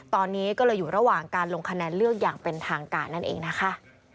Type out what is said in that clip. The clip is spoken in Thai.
ตอนนี้ก็เลยอยู่ระหว่างการลงคะแนนเลือกอย่างเป็นทางการนั่นเองนะคะ